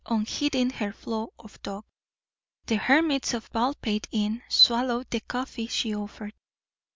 Unheeding her flow of talk, the hermits of Baldpate Inn swallowed the coffee she offered.